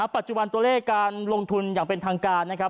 ปัจจุบันตัวเลขการลงทุนอย่างเป็นทางการนะครับ